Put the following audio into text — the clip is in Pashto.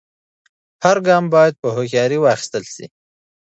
هر ګام باید په هوښیارۍ واخیستل سي.